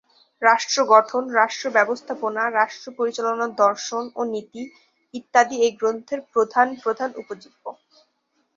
রাষ্ট্র গঠন, রাষ্ট্র ব্যবস্থাপনা, রাষ্ট্র পরিচালনার দর্শন ও নীতি ইত্যাদি এই গ্রন্থের প্রধান প্রধান উপজীব্য।